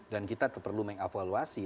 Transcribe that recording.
dan kita perlu meng evaluasi